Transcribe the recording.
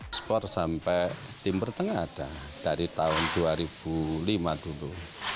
ekspor sampai timur tengah ada dari tahun dua ribu lima dulu